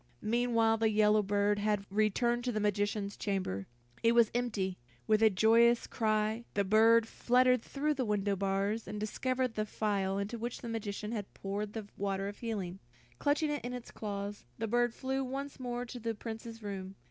Meanwhile the yellow bird had returned to the magician's chamber. It was empty. With a joyous cry, the bird fluttered through the window bars, and discovered the phial into which the magician had poured the water of healing. Clutching it in his claws, the bird flew once more to the Prince's room.